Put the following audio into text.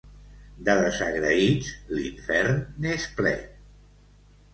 De desagraïts, l'infern n'és ple.